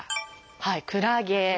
はいクラゲ。